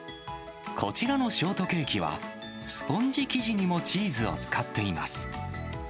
こちらのショートケーキは、スポンジ生地にもチーズを使っています。